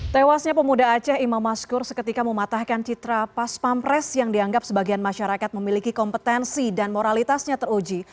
tewasnya pemuda aceh imam maskur seketika mematahkan citra paspampres yang dianggap sebagian masyarakat memiliki kompetensi dan moralitasnya teruji